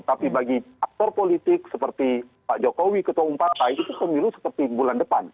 tapi bagi aktor politik seperti pak jokowi ketua umum partai itu pemilu seperti bulan depan